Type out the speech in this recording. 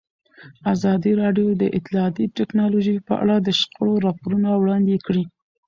ازادي راډیو د اطلاعاتی تکنالوژي په اړه د شخړو راپورونه وړاندې کړي.